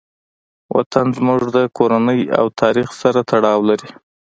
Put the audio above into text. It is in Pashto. وطن زموږ د کورنۍ او تاریخ تړاو لري.